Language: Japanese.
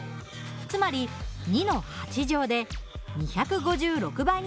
つまり２の８乗で２５６倍になります。